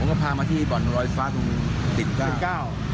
ผมก็พามาที่หลวงรอยฟ้าถุงดนตร์๙